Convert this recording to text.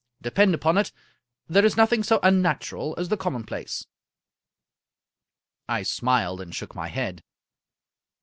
Depend upon it, there is nothing so unnatural as the commonplace." I smiled and shook my head.